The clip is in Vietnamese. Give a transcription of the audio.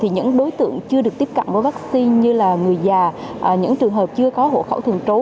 những đối tượng chưa được tiếp cận với vaccine như là người già những trường hợp chưa có hộ khẩu thường trú